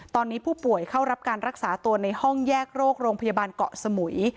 ตอนนี้ผู้ป่วยเข้ารับการรักษาตัวในห้องแยกโรคโรงพยาบาลเกาะสมุย